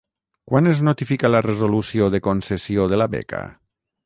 Quan es notifica la resolució de concessió de la beca?